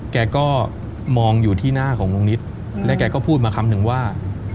แกก็มองอยู่ที่หน้าของลุงนิดและแกก็พูดมาคำหนึ่งว่า